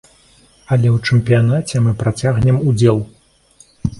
Але ў чэмпіянаце мы працягнем удзел.